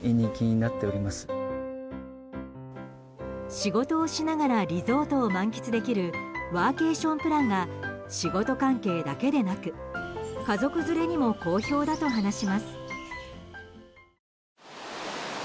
仕事をしながらリゾートを満喫できるワーケーションプランが仕事関係だけでなく家族連れにも好評だと話します。